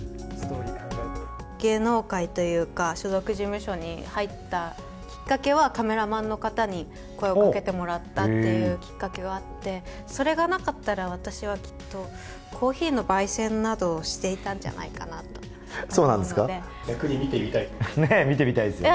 芸能界というか、所属事務所に入ったきっかけは、カメラマンの方に声をかけてもらったっていうきっかけがあって、それがなかったら、私はきっとコーヒーのばい煎などをしていたんじゃないかなと思うそうなんですか？